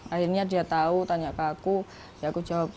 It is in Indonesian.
akhirnya dia tahu tanya ke aku ya aku jawab